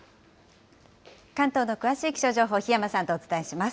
関東の詳しい気象情報、檜山さんとお伝えします。